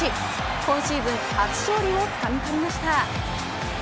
今シーズン初勝利をつかみ取りました。